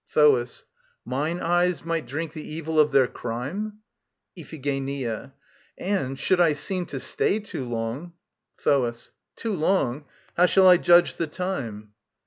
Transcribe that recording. THOAS. Mine eyes might drink the evil of their crime? IPHIGENIA. And, should I seem to stay too long ... THOAS. Too long? How shall I judge the time?